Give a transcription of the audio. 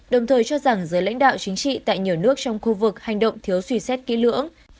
đồng thời cho rằng giới lãnh đạo chính trị tại nhiều nước trong khu vực hành động thiếu suy xét kỹ lưỡng